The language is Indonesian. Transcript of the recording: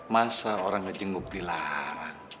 masa orang gak jenguk di lahan